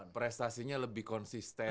prestasinya lebih konsisten